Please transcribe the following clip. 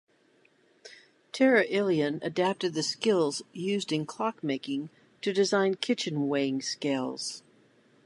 Terraillon adapted the skills used in clock-making to design kitchen weighing scales.